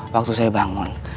waktu saya bangun